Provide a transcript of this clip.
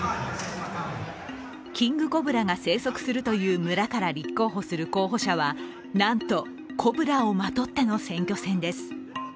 キングコブラが生息するという村から立候補する候補者は、なんと、コブラをまとっての選挙戦です。